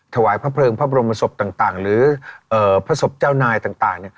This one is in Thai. ถวายพระเพลิงพระบรมศพต่างหรือพระศพเจ้านายต่าง